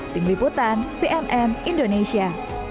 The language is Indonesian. tim liputan cnn indonesia